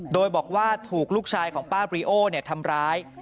โดยบอกว่าถูกลูกชายของป้าบริโอทำร้าย